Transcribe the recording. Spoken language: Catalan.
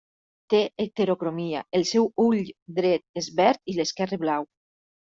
Té heterocromia, el seu ull dret és verd i l'esquerre blau.